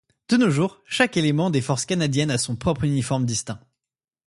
De nos jours, chaque élément des Forces canadiennes a son propre uniforme distinct.